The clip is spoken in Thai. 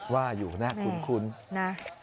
ว่าอยู่หน้าคุ้น